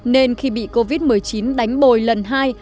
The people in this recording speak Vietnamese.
nên khi bị covid một mươi chín đánh bồi lần hai